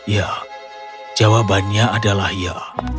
ya jawabannya adalah ya